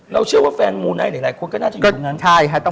เชื่อว่าแฟนมูไนท์หลายคนก็น่าจะอยู่ตรงนั้น